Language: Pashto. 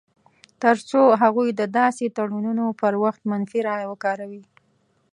تر څو هغوی د داسې تړونونو پر وخت منفي رایه وکاروي.